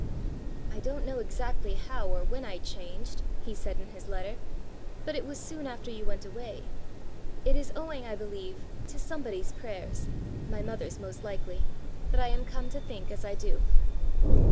"I don't exactly know how or when I changed," he said in his letter; "but it was soon after you went away. It is owing, I believe, to somebody's prayers (my mother's most likely) that I am come to think as I do."